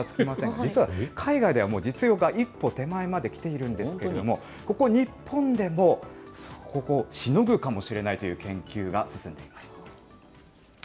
実は、海外ではもう実用化一歩手前まで来ているんですけれども、ここ日本でも、そこをしのぐかもしれないという研究が進んでいます。